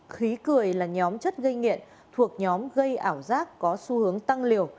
khí cười là nhóm chất gây nghiện thuộc nhóm gây ảo giác có xu hướng tăng liều